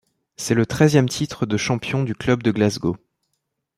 C’est le treizième titre de champion du club de Glasgow.